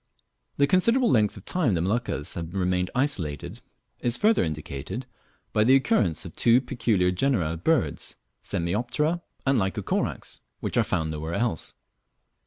The considerable length of time the Moluccas have remained isolated is further indicated by the occurrence of two peculiar genera of birds, Semioptera and Lycocorax, which are found nowhere else.